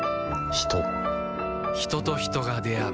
人と人が出会う